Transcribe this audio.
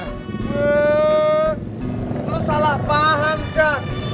eeeeh lu salah paham jat